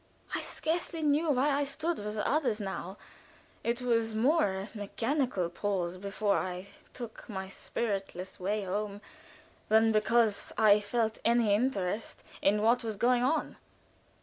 I scarcely knew why I stood with the others now; it was more a mechanical pause before I took my spiritless way home, than because I felt any interest in what was going on.